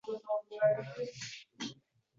Ammo men Chillatoshga borishim kerak